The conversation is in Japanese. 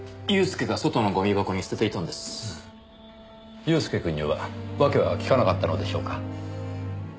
祐介くんには訳は聞かなかったのでしょうか？